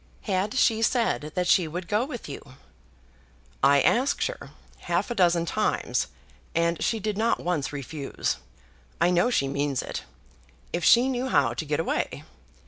"Had she said that she would go with you?" "I had asked her, half a dozen times, and she did not once refuse. I know she means it, if she knew how to get away.